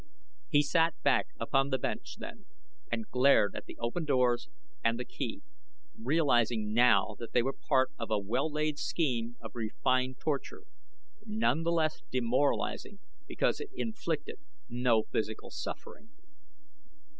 He sat back upon the bench then and glared at the open doors and the key, realizing now that they were part of a well laid scheme of refined torture, none the less demoralizing because it inflicted no physical suffering.